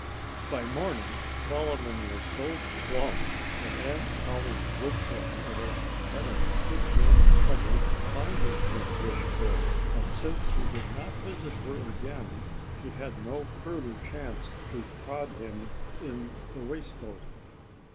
By morning Solomon was so plump that Aunt Polly Woodchuck would have had a good deal of trouble finding his wishbone. But since he did not visit her again, she had no further chance to prod him in the waistcoat.